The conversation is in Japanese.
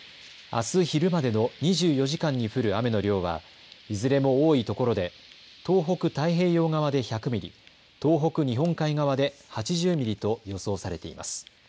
あす昼までの２４時間に降る雨の量はいずれも多いところで東北太平洋側で１００ミリ、東北日本海側で８０ミリと予想されています。